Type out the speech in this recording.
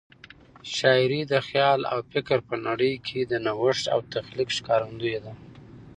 شاعري د خیال او فکر په نړۍ کې د نوښت او تخلیق ښکارندوی ده.